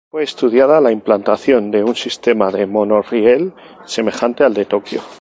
Fue estudiada la implantación de un sistema de monorriel semejante al de Tokio.